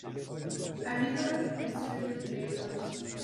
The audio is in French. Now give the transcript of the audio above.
Allez donc, messieurs, dit le comte.